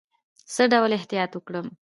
څه ډول احتیاط وکړم؟